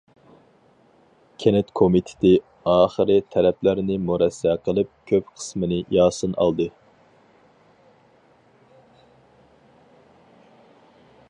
كەنت كومىتېتى ئاخىرى تەرەپلەرنى مۇرەسسە قىلىپ، كۆپ قىسمىنى ياسىن ئالدى.